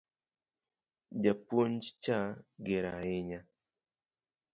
Japuonj cha ger ahinya